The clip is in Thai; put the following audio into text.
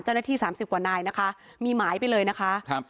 เจ้าหน้าที่สามสิบกว่านายนะคะมีหมายไปเลยนะคะครับ